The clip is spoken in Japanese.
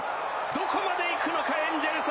どこまでいくのかエンジェルス。